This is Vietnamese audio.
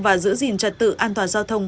và giữ gìn trật tự an toàn giao thông